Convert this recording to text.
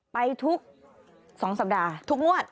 ไปทุกสองสัปดาห์